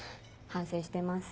反省してます。